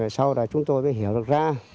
sau đó chúng tôi hiểu được ra